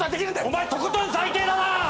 お前とことん最低だな！